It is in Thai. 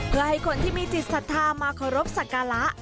เพื่อให้คนที่มีจิตศรัทธามาเคารพสักการะ